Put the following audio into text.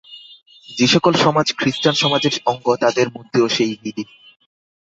যে-সকল সমাজ খৃস্টান সমাজের অঙ্গ তাদের মধ্যেও সেই বিধি।